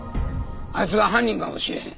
あいつが犯人かもしれへん。